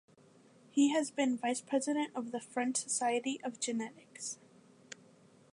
He has been Vice President of the French Society of Genetics.